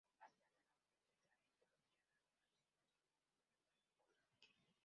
Más tarde cálculo integral e introducción al análisis para estudiantes de primeros cursos.